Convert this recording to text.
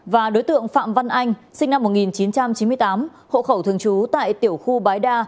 và đối tượng phạm văn anh sinh năm một nghìn chín trăm chín mươi tám hộ khẩu thường trú tại tiểu khu bãi đa